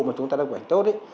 mà chúng ta đã quản lý tốt